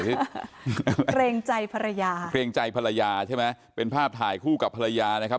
เกรงใจภรรยาเกรงใจภรรยาใช่ไหมเป็นภาพถ่ายคู่กับภรรยานะครับ